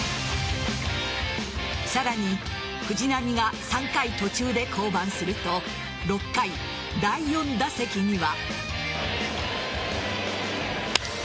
さらに、藤浪が３回途中で降板すると６回、第４打席には。